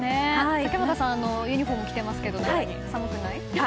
竹俣さんはユニホーム着てますけど、寒くない？